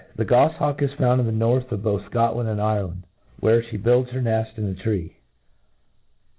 THE Oofliawk is found in the north of both Scotland and Ireland, where flic builds her neft in a tree.